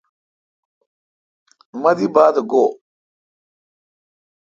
مہ دی بات گوئ۔